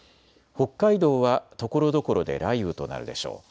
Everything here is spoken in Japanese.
北海道はところどころで雷雨となるでしょう。